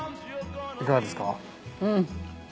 いかがですか？